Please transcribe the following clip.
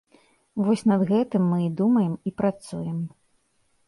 Вось над гэтым мы і думаем, і працуем.